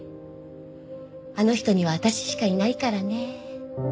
あの人には私しかいないからね。